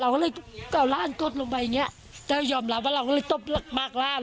เลยก็เอาร่านกดลงไปอย่างเงี้ยเจ้ายอมรับว่าเราก็เลยตบมากร่าง